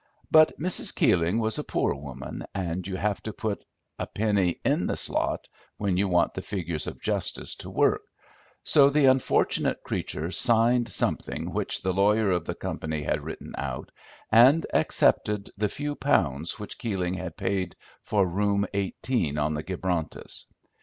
But Mrs. Keeling was a poor woman, and you have to put a penny in the slot when you want the figures of justice to work, so the unfortunate creature signed something which the lawyer of the company had written out, and accepted the few pounds which Keeling had paid for Room 18 on the Gibrontus.